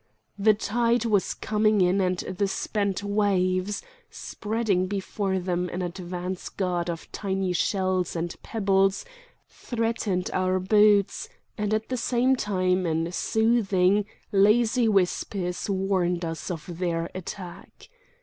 The tide was coming in and the spent waves, spreading before them an advance guard of tiny shells and pebbles, threatened our boots' and at the same time in soothing, lazy whispers warned us of their attack.